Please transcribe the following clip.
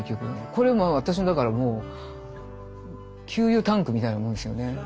これ私のだからもう給油タンクみたいなものですよね。